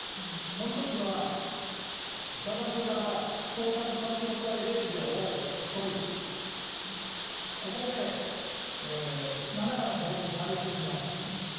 もう一つは、裁判所から捜索差し押さえ令状を取り、ここでなんらかの方法で採取します。